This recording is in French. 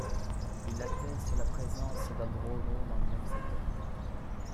Il atteste la présence d'un dromos dans le même secteur.